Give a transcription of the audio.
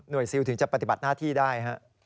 ซิลถึงจะปฏิบัติหน้าที่ได้